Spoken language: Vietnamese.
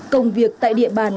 công việc tại địa bàn